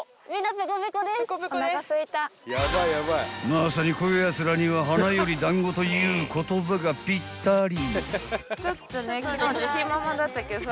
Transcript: ［まさにこやつらには花より団子という言葉がぴったり］